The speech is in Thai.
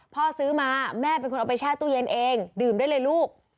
พ่อซื้อมาแม่เป็นคนเอาไปแช่ตู้เย็นเองดื่มได้เลยลูก